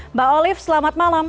mbak olive selamat malam